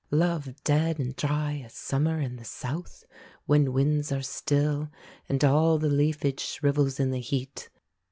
Love dead and dry as summer in the South When winds are still And all the leafage shrivels in the heat!